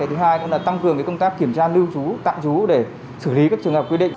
thứ hai cũng là tăng cường công tác kiểm tra lưu trú tạm trú để xử lý các trường hợp quy định